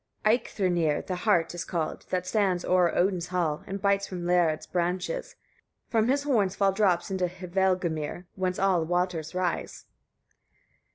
26. Eikthyrnir the hart is called, that stands o'er Odin's hall, and bites from Lærâd's branches; from his horns fall drops into Hvergelmir, whence all waters rise: 27.